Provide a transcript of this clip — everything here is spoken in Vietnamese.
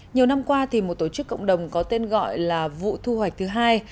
nhiều năm qua thì một tổ chức cộng đồng có tên gọi là vụ thu hoạch thứ hai